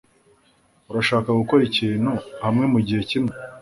Urashaka gukora ikintu hamwe mugihe kimwe?